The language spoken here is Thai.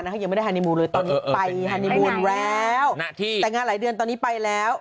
ยังไม่ได้ฮานีมูลเลยตอนนี้ไปฮานีมูลแล้วแต่งานหลายเดือนตอนนี้ไปแล้ว